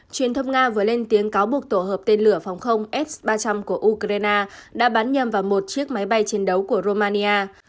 truyền thông nga vừa lên tiếng cáo buộc tổ hợp tên lửa phòng không s ba trăm linh của ukraine đã bắn nhầm vào một chiếc máy bay chiến đấu của romania